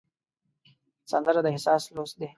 سندره د احساس لوست دی